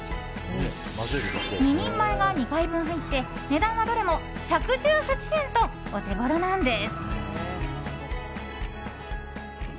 ２人前が２回分入って値段はどれも１１８円とお手ごろなんです。